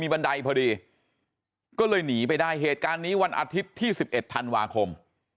บันไดพอดีก็เลยหนีไปได้เหตุการณ์นี้วันอาทิตย์ที่๑๑ธันวาคม